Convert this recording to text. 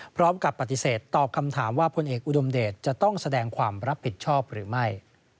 พร้อมกับปฏิเสธตอบคำถามว่าพลเอกอุดมเดชจะต้องแสดงความรับผิดชอบหรือไม่